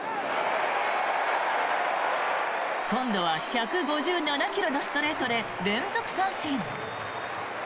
今度は１５７ｋｍのストレートで連続三振。